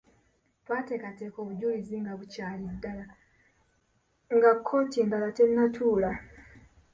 Twateekateeka obujulizi nga bukyali ddala nga kkooti endala tennatuula.